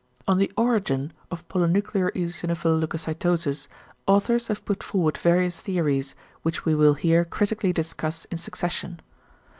On the origin of ~polynuclear eosinophil leucocytosis~ authors have put forward various theories, which we will here critically discuss in succession.